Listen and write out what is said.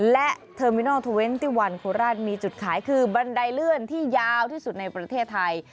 และเทอร์เมนอล๒๑โคราชมีจุดขายคือบันไดเลือดที่ยาวที่สุดในประเทศไทย